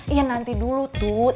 iya nanti dulu tut